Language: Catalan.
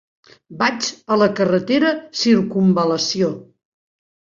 Vaig a la carretera Circumval·lació.